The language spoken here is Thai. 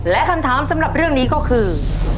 และคำถามสำหรับเรื่องนี้ก็คือ